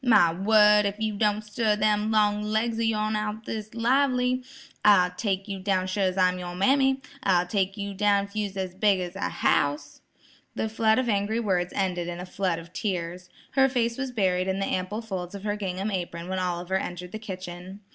My word, if you don't stir them long legs o' yourn out o' this lively, I'll take you down sure's I'm yer mammy; I'll take yer down if you was as big as a house." The flood of angry words ended in a flood of tears. Her face was buried in the ample folds of her gingham apron when Oliver entered the kitchen.